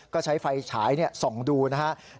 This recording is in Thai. ก็ใช้ไฟฉายส่องดูนะครับ